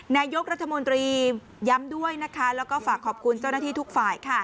นายกรัฐมนตรีย้ำด้วยนะคะแล้วก็ฝากขอบคุณเจ้าหน้าที่ทุกฝ่าย